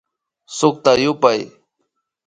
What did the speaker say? Sukta yupay